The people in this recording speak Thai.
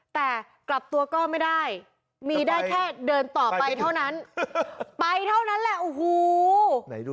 แต่กลับตัวก็ไม่ได้มีได้แค่เดินต่อไปเท่านั้นไปเท่านั้นแหละโอ้โห